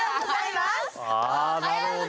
なるほど。